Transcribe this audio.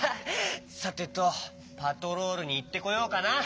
さてとパトロールにいってこようかな。